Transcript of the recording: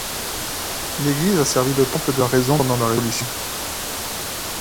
L'église a servi de temple de la Raison pendant la Révolution.